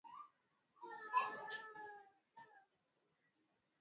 Mamlaka Uganda zachukua tahadhari kipindi cha mpito wa uchaguzi nchini Kenya.